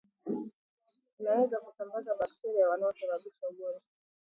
unaweza kusambaza bakteria wanaosababisha ugonjwa